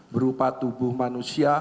berupa tubuh manusia